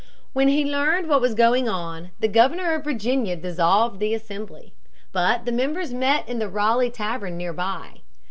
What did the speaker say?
When he learned what was going on, the governor of Virginia dissolved the assembly. But the members met in the Raleigh tavern near by.